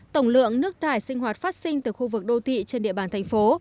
tổng lượng nước thải sinh hoạt phát sinh từ khu vực đô thị trên địa bàn thành phố